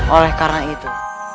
oleh karena itu